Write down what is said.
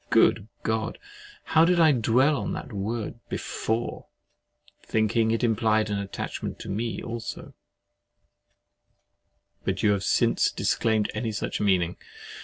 Good God! How did I dwell on that word BEFORE, thinking it implied an attachment to me also; but you have since disclaimed any such meaning.